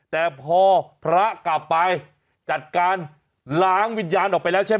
แต่พอพระกลับไปจัดการล้างวิญญาณออกไปแล้วใช่ไหม